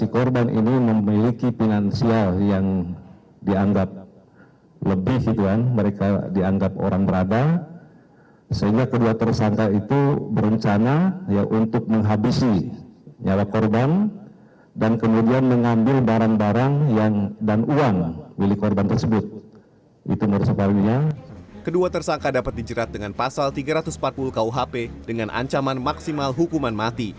kedua tersangka dapat dijerat dengan pasal tiga ratus empat puluh kuhp dengan ancaman maksimal hukuman mati